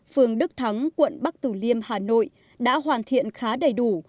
phường đức thắng quận bắc tử liêm hà nội đã hoàn thiện khá đầy đủ